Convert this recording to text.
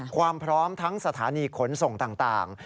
ความพร้อมทั้งสถานีขนส่งต่าง